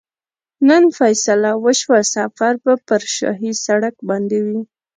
نن فیصله وشوه سفر به پر شاهي سړک باندې وي.